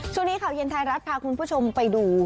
ช่วงนี้ข่าวเย็นไทยรัฐพาคุณผู้ชมไปดู